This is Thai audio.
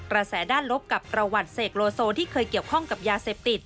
แสด้านลบกับประวัติเสกโลโซที่เคยเกี่ยวข้องกับยาเสพติด